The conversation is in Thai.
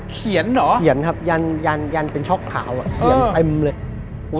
เขียนเหรอเขียนครับยันต์เป็นช็อกขาวอะเขียนเต็มเลย